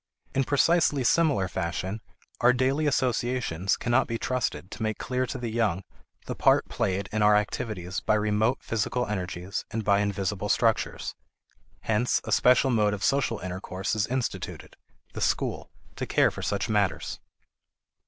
In precisely similar fashion, our daily associations cannot be trusted to make clear to the young the part played in our activities by remote physical energies, and by invisible structures. Hence a special mode of social intercourse is instituted, the school, to care for such matters.